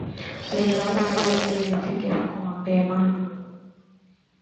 Nilirauka leo ili nifike huko mapema